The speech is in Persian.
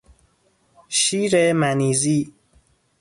شیر منیزی